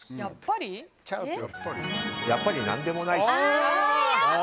やっぱり、何でもない。